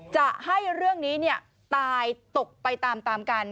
จะให้เรื่องนี้ตายตกไปตามกัน